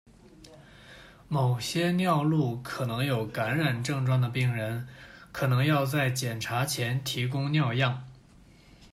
某些尿路可能有感染症状的病人可能要在检查前提供尿样。